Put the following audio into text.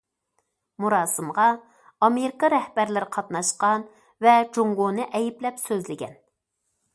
مۇراسىمغا ئامېرىكا رەھبەرلىرى قاتناشقان ۋە جۇڭگونى ئەيىبلەپ سۆزلىگەن.